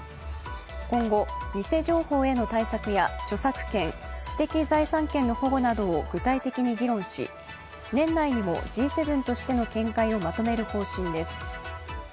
今後、偽情報への対策や著作権、知的財産権の保護などを具体的に議論し年内にもＧ７としての見解をまとめる方針です。